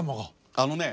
あのね